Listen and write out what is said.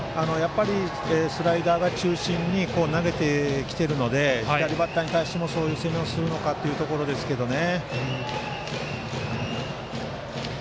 スライダーを中心に投げてきてるので左バッターに対してもそういう攻めをするのかというところですね。